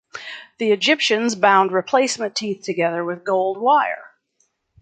The Egyptians bound replacement teeth together with gold wire.